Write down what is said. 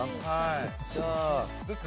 どうですか？